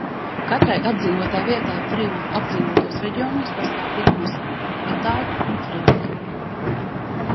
Katrai apdzīvotai vietai friulu apdzīvotos reģionos pastāv divi nosaukumi – itāļu un friulu.